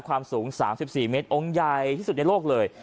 ความสูง๓๔เมตรองค์ใหญ่ที่สุดในโลกเลย